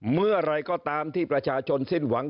เมื่อไหร่ก็ตามที่ประชาชนสิ้นหวัง